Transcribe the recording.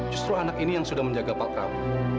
justru anak ini yang sudah menjaga pak prabowo